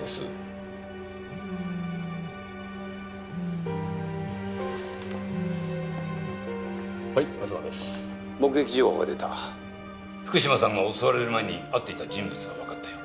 ・はい東です目撃情報が出た福島さんが襲われる前に会っていた人物が分かったよ